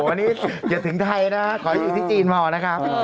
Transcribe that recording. วันนี้อย่าถึงไทยนะขอให้อยู่ที่จีนพอนะครับ